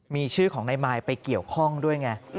มีชื่อของนายมายไปเกี่ยวข้องด้วยไง